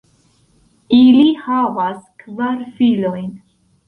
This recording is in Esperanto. Ili havas kvar filojn.